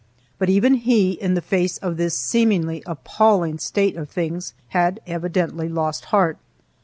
But even he, in the face of this seemingly appalling state of things, had evidently lost heart.